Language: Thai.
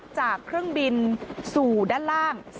จากเครื่องบินสู่ด้านล่าง